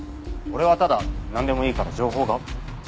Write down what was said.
俺はただなんでもいいから情報が。